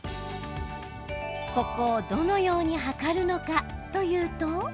ここをどのように測るのかというと。